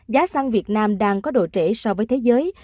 giá xăng việt nam đang có độ trễ so với thế giới